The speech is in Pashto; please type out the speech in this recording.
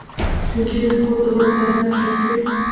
سپین ږیری د کور د غړو سره نرم چلند کوي